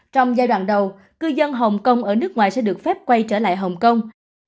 trong giai đoạn đầu cư dân hồng kông ở nước ngoài sẽ được phép quay trở lại hồng kông